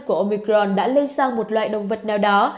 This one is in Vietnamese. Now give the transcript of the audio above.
của omicron đã lên sang một loại động vật nào đó